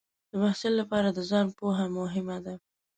د محصل لپاره د ځان پوهه مهمه ده.